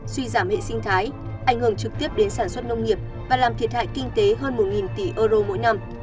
suy giảm hệ sinh thái ảnh hưởng trực tiếp đến sản xuất nông nghiệp và làm thiệt hại kinh tế hơn một tỷ euro mỗi năm